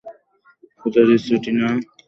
পূজার ইচ্ছে, টিনা এবং রাজের বিয়ের থালি ও সাজাবে।